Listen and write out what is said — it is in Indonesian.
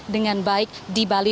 dengan baik di bali